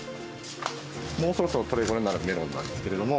もうそろそろ取れ頃になるメロンなんですけれども。